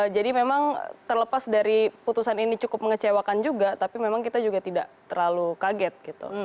jadi memang terlepas dari putusan ini cukup mengecewakan juga tapi memang kita juga tidak terlalu kaget gitu